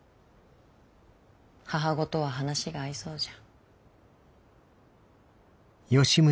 母御とは話が合いそうじゃ。